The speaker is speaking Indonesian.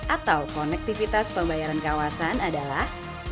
atau konektivitas pembayaran kawasan adalah